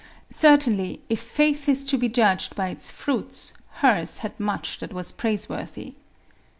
Certainly, if faith is to be judged by its fruits, hers had much that was praiseworthy.